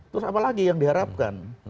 terus apa lagi yang diharapkan